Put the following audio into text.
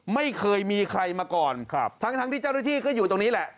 ไม่เคยมีใครมาก่อนครับทั้งที่เจ้าหน้าที่ก็อยู่ตรงนี้แหละ